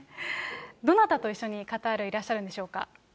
どなたと一緒にカタールにいらっしゃるんでしょうか？